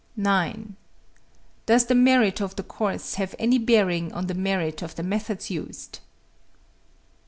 9. Does the merit of the course have any bearing on the merit of the methods used?